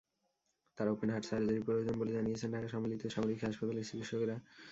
তার open heart সার্জারির প্রয়োজন বলে জানিয়েছেন ঢাকার সম্মিলিত সামরিক হাসপাতালের চিকিৎসকেরা।